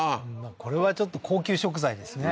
これはちょっと高級食材ですね